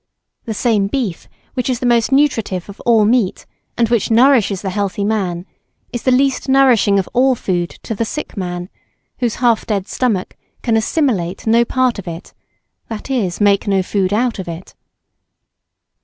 The same beef which is the most nutritive of all meat and which nourishes the healthy man, is the least nourishing of all food to the sick man, whose half dead stomach can assimilate no part of it, that is, make no food out of it.